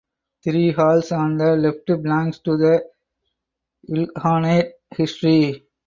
Three halls on the left belong to Ilkhanate history.